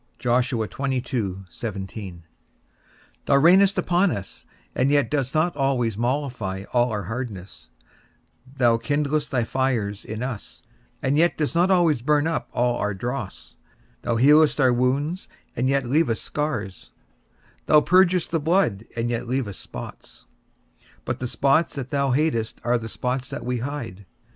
Thou rainest upon us, and yet dost not always mollify all our hardness; thou kindlest thy fires in us, and yet dost not always burn up all our dross; thou healest our wounds, and yet leavest scars; thou purgest the blood, and yet leavest spots. But the spots that thou hatest are the spots that we hide.